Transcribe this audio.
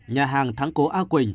nhà hàng thắng cố a quỳnh